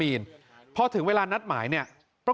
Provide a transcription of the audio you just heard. ส่งมาขอความช่วยเหลือจากเพื่อนครับ